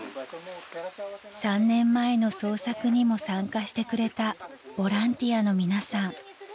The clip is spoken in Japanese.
［３年前の捜索にも参加してくれたボランティアの皆さん］